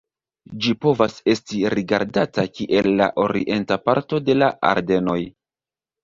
Ĝi povas esti rigardata kiel la orienta parto de la Ardenoj.